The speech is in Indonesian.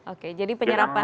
oke jadi penyerapan